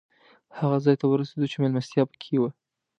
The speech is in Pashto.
هغه ځای ته ورسېدو چې مېلمستیا پکې وه.